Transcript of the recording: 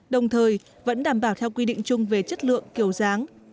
đồng thời vẫn đảm bảo theo quy định chung về chất lượng kiểu dáng